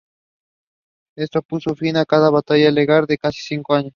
Esto puso fin a una batalla legal de casi cinco años.